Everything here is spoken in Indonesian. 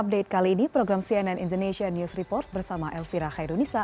dalam cnn indonesia news report bersama elvira khairul nissa